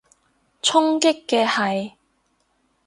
衝擊嘅係？